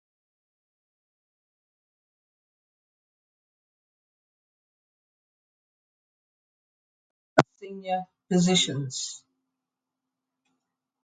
Samuel Rowe was twice governor of Sierra Leone and held several other senior positions.